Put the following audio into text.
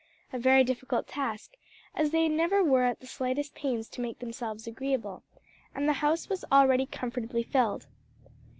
A very difficult task, as they never were at the slightest pains to make themselves agreeable, and the house was already comfortably filled.